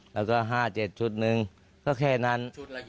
แล้วก็๕๗ชุดหนึ่งก็แค่นั้น